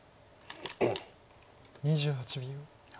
２８秒。